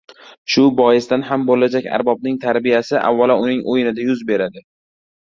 Shu boisdan ham bo‘lajak arbobning tarbiyasi avvalo uning o‘yinida yuz beradi.